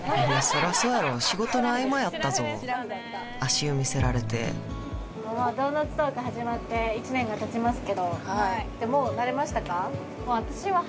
そりゃそうやろ仕事の合間やったぞ足湯見せられて「ドーナツトーク」始まって１年がたちますけどもう慣れましたか？